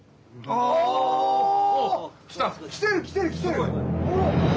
おっ来た！来てる来てる来てる！